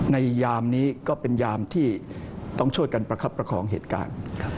ยามนี้ก็เป็นยามที่ต้องช่วยกันประคับประคองเหตุการณ์